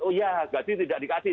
oh iya gaji tidak dikasih